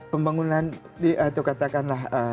pembangunan atau katakanlah